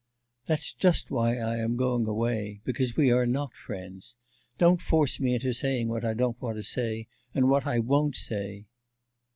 'That's just why I am going away because we are not friends. Don't force me into saying what I don't want to say, and what I won't say.